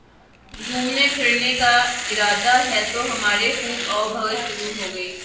گھومنے پھرنے کا ارادہ ہے تو ہماری خوب آؤ بھگت شروع ہو گئی